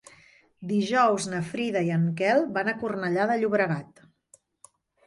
Dijous na Frida i en Quel van a Cornellà de Llobregat.